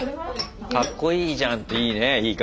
「かっこいいじゃん」っていいね言い方。